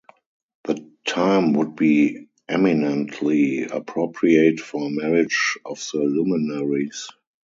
The time would be eminently appropriate for a marriage of the luminaries.